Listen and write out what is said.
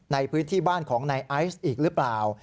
ในพื้นที่บ้านของนายไอซ์อีกหรือเปล่า